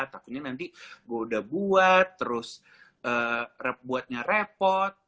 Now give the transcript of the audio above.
takutnya nanti gue udah buat terus buatnya repot